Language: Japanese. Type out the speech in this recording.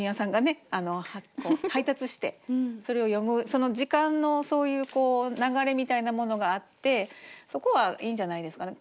その時間のそういうこう流れみたいなものがあってそこはいいんじゃないですかね。